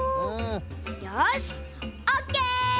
よしオッケー！